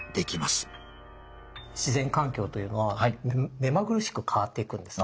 自然環境というのは目まぐるしく変わっていくんですね。